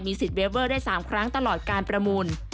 สิทธิเวอร์ได้๓ครั้งตลอดการประมูล